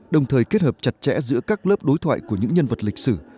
đồng thời kết hợp chặt chẽ giữa các lớp đối thoại của những nhân vật lịch sử